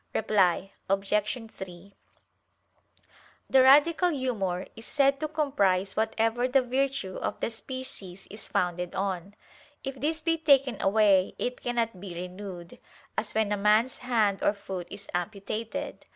Reply Obj. 3: The "radical humor" is said to comprise whatever the virtue of the species is founded on. If this be taken away it cannot be renewed; as when a man's hand or foot is amputated.